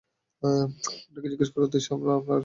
আপনাকে জিজ্ঞেস করার উদ্দেশ্যে আমরা আপনার কাছে এসেছি।